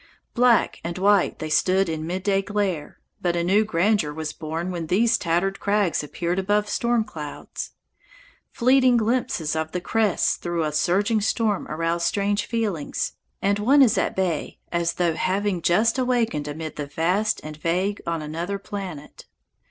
Black and white they stood in midday glare, but a new grandeur was born when these tattered crags appeared above storm clouds. Fleeting glimpses of the crests through a surging storm arouse strange feelings, and one is at bay, as though having just awakened amid the vast and vague on another planet.